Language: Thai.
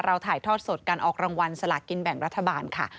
ถ่ายทอดสดการออกรางวัลสลากินแบ่งรัฐบาลค่ะ